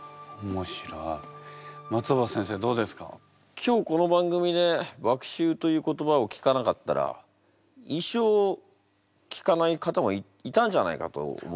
今日この番組で「麦秋」という言葉を聞かなかったら一生聞かない方もいたんじゃないかと思うぐらい。